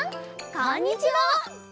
こんにちは！